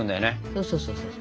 そうそうそう。